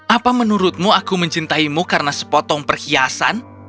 apa menurutmu aku mencintaimu karena sepotong perhiasan